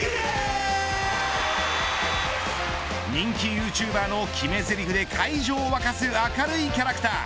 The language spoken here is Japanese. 人気ユーチューバーの決めぜりふで会場を沸かす明るいキャラクター。